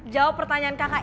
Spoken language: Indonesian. jawab pertanyaan kakak